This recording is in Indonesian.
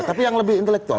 tapi yang lebih intelektual